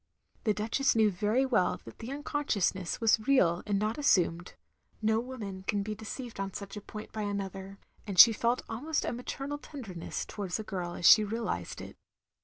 The Duchess knew very well that the tmcon sciousness was real and not asstuned; no woman can be deceived on such a point by another; and she felt almost a maternal tenderness towards the girl as she realised it.